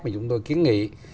mà chúng tôi kiến nghị